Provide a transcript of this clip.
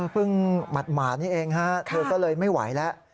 เพิ่งหมัดหมานี่เองค่ะเธอก็เลยไม่ไหวแล้ว